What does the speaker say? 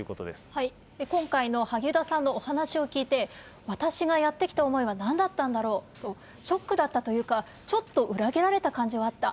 今回の萩生田さんのお話を聞いて、私がやってきた思いはなんだったんだろうという、ショックだったというか、ちょっと裏切られた感じはあった。